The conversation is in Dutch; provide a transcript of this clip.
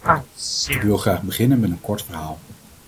Ik wil graag beginnen met een kort verhaal.